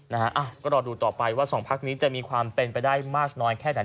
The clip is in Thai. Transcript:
นะฮะก็รอดูต่อไปว่าสองพักนี้จะมีความเป็นไปได้มากน้อยแค่ไหน